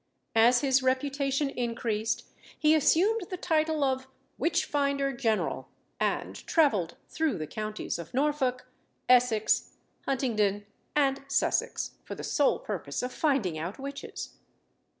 As his reputation increased, he assumed the title of "Witch finder General," and travelled through the counties of Norfolk, Essex, Huntingdon, and Sussex, for the sole purpose of finding out witches.